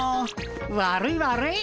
悪い悪い。